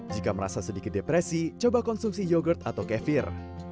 jika merasa sedikit depresi coba konsumsi yogurt atau kefir